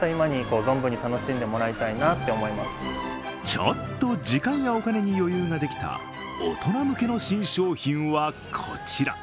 ちょっと時間やお金に余裕ができた大人向けの新商品はこちら。